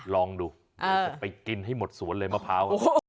ลองดูจะไปกินให้หมดสวนเลยมะพร้าว